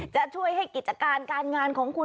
จะช่วยให้กิจการการงานของคุณ